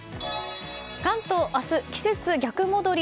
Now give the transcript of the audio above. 関東は明日、季節逆戻り。